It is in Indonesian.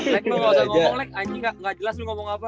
lek lu gausah ngomong lek anjing gak jelas lu ngomong apa